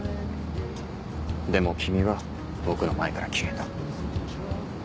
でも君は僕の前から消えた。